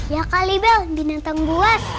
ya kali bell binatang buas